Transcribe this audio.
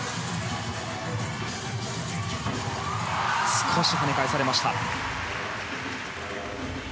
少しはね返されました。